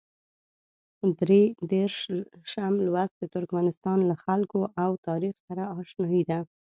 درې دېرشم لوست د ترکمنستان له خلکو او تاریخ سره اشنايي ده.